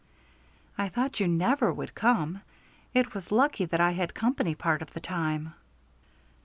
"I thought you never would come. It was lucky that I had company part of the time."